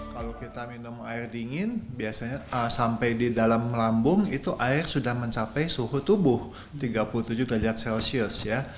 kalau kita minum air dingin biasanya sampai di dalam lambung itu air sudah mencapai suhu tubuh tiga puluh tujuh derajat celcius ya